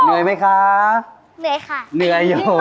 อ่อโอ๊ยโอ้ย